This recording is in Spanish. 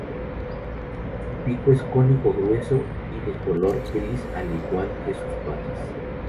Su pico es cónico, grueso y de color gris, al igual que sus patas.